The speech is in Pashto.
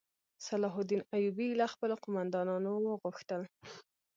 صلاح الدین ایوبي له خپلو قوماندانانو وغوښتل.